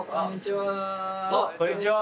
わっこんにちは！